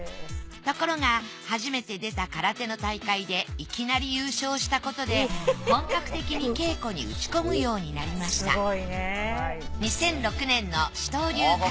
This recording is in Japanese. ところが初めて出た空手の大会でいきなり優勝したことで本格的に稽古に打ち込むようになりました